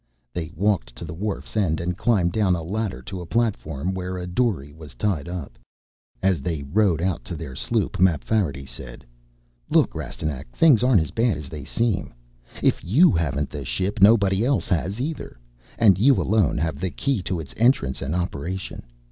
They walked to the wharf's end and climbed down a ladder to a platform where a dory was tied up. As they rowed out to their sloop Mapfarity said: "Look, Rastignac, things aren't as bad as they seem. If you haven't the ship nobody else has, either. And you alone have the key to its entrance and operation.